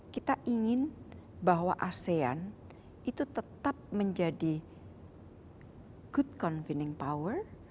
kita ingin bahwa asean itu tetap menjadi good convening power